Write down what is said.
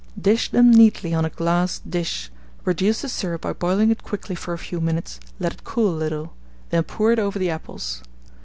Dish them neatly on a glass dish, reduce the syrup by boiling it quickly for a few minutes, let it cool a little; then pour it over the apples.